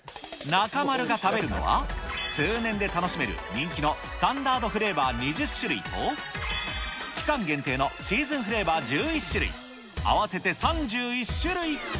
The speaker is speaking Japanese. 中丸が食べるのは、通年で楽しめる人気のスタンダードフレーバー２０種類と、期間限定のシーズンフレーバー１１種類、合わせて３１種類。